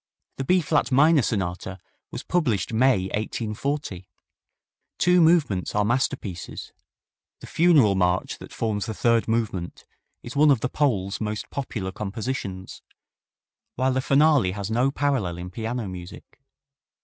The B flat minor Sonata was published May, 1840. Two movements are masterpieces; the funeral march that forms the third movement is one of the Pole's most popular compositions, while the finale has no parallel in piano music.